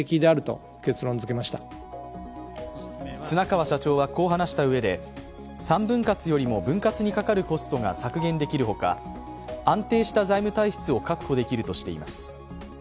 綱川社長はこう話したうえで３分割よりも分割にかかるコストが削減できるほか安定した財務体質を確保できるとしています。